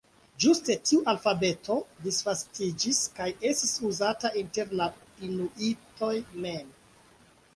Ĝuste tiu alfabeto disvastiĝis kaj estis uzata inter la inuitoj mem.